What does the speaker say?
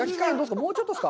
もうちょっとですか？